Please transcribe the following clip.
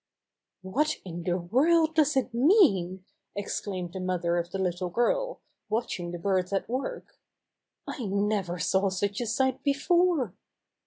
'What in the world does it mean!" ex claimed the mother of the little girl, watching the birds at work. "I never saw such a sight before."